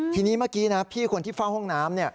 ทีนี้เมื่อกี้นะพี่คนที่เฝ้าห้องน้ำ